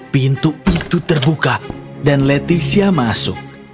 pintu itu terbuka dan leticia masuk